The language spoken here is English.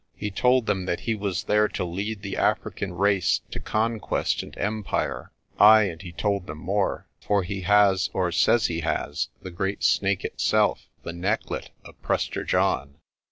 He told them that he was there to lead the African race to conquest and empire. Ay, and he told them more: for he has, or says he has, the Great Snake itself, the necklet of Prester John."